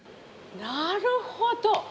なるほど。